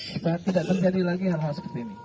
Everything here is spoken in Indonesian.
supaya tidak terjadi lagi hal hal seperti ini